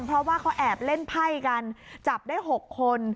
เพราะว่าเขาแอบเล่นไพ่กันจับได้๖คน